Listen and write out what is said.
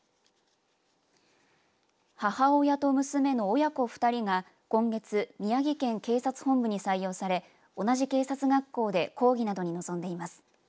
母親と娘の親子２人が今月、宮城県警察本部に採用され同じ警察学校で講義などに臨んでいます。